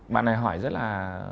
bạn này hỏi rất là